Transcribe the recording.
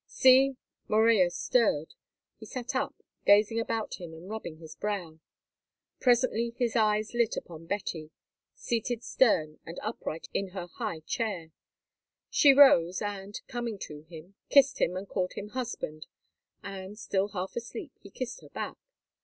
See! Morella stirred. He sat up, gazing about him and rubbing his brow. Presently his eyes lit upon Betty, seated stern and upright in her high chair. She rose and, coming to him, kissed him and called him "Husband," and, still half asleep, he kissed her back.